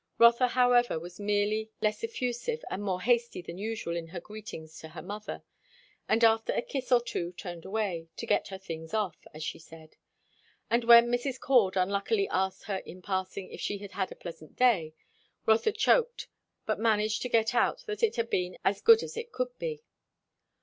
Rotha however was merely less effusive and more hasty than usual in her greetings to her mother, and after a kiss or two turned away "to get her things off," as she said. And when Mrs. Cord unluckily asked her in passing, if she had had a pleasant day? Rotha choked, but managed to get out that it had been "as good as it could be."